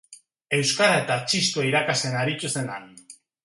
Euskara eta txistua irakasten aritu zen han.